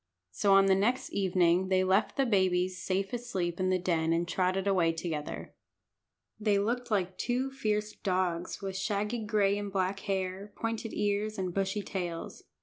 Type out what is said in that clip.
So on the next evening they left the babies safe asleep in the den and trotted away together. They looked like two fierce dogs, with shaggy gray and black hair, pointed ears, and bushy tails.